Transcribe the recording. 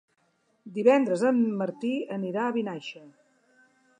Divendres en Martí anirà a Vinaixa.